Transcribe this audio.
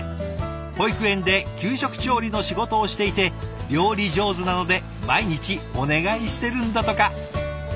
保育園で給食調理の仕事をしていて料理上手なので毎日お願いしてるんだとか。